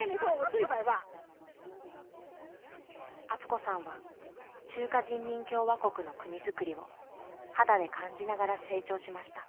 敦子さんは中華人民共和国の国づくりを肌で感じながら成長しました。